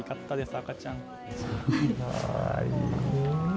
赤ちゃん。